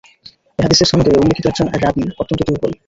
এ হাদীসের সনদে উল্লেখিত একজন রাবী অত্যন্ত দুর্বল।